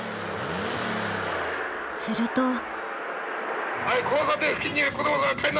すると。